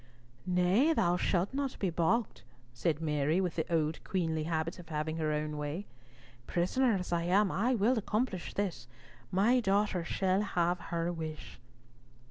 "Nay, thou shalt not be balked," said Mary, with the old queenly habit of having her own way. "Prisoner as I am, I will accomplish this. My daughter shall have her wish."